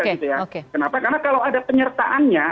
kenapa karena kalau ada penyertaannya